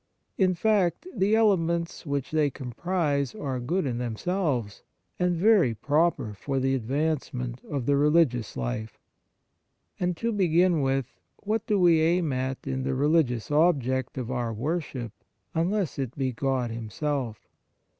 In fact, the elements which they comprise are good in themselves, and very proper for the advancement of the religious life. And to begin with, what do we aim at in the religious object of our worship, unless it be God Himself?